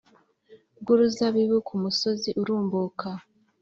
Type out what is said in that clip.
Rw uruzabibu ku musozi urumbuka